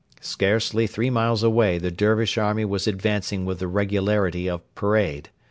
Scarcely three miles away the Dervish army was advancing with the regularity of parade.